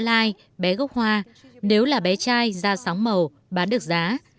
bé gốc mã lai bé gốc hoa nếu là bé trai da sóng màu bán được giá